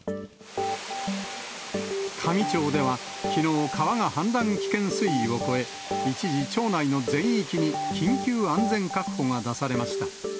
香美町では、きのう川が氾濫危険水位を超え、一時、町内の全域に緊急安全確保が出されました。